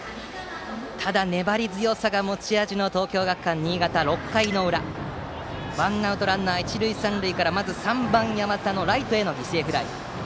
ただ、粘り強さが持ち味の東京学館新潟、６回の裏ワンアウトランナー、一塁三塁から３番、八幡のライトへの犠牲フライ。